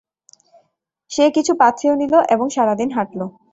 সে কিছু পাথেয় নিল এবং সারাদিন হাঁটল।